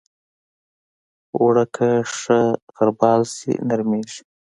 اوړه که ښه غربال شي، نرمېږي